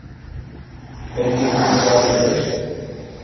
Ben ik nu voldoende duidelijk geweest?